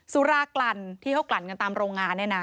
สุรากลั่นที่เขากลั่นกันตามโรงงานเนี่ยนะ